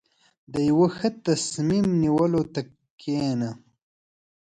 • د یو ښه تصمیم نیولو ته کښېنه.